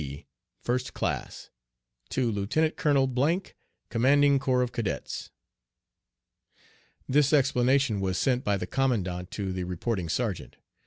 "D," First Class. To Lieut. Colonel , Commanding Corps of Cadets. This explanation was sent by the commandant to the reporting sergeant.